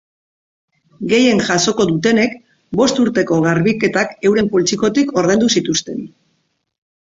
Gehien jasoko dutenek, bost urteko garbiketak euren poltsikotik ordaindu zituzten.